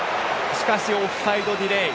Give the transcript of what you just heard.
しかし、オフサイドディレイ。